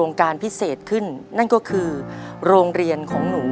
ในแคมเปญพิเศษเกมต่อชีวิตโรงเรียนของหนู